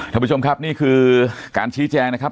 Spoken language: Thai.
ท่านผู้ชมครับนี่คือการชี้แจงนะครับ